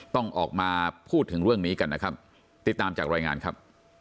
ต้องออกมาพูดถึงเรื่องนี้กันนะครับติดตามจากรายงานครับ